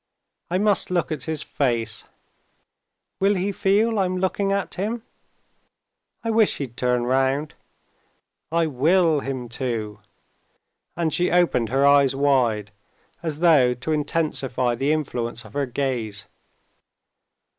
I must look at his face; will he feel I'm looking at him? I wish he'd turn round ... I'll will him to!" and she opened her eyes wide, as though to intensify the influence of her gaze.